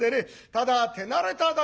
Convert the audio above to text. ただ手慣れただけで」。